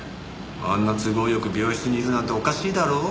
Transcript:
あんな都合よく病室にいるなんておかしいだろ？